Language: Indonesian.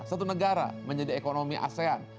satu negara menjadi ekonomi asean